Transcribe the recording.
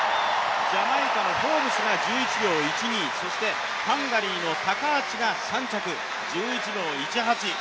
ジャマイカのフォーブスが１１秒１２そしてハンガリーのタカーチが３着１１秒１８。